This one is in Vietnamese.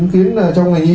kiến là trong ngày nhi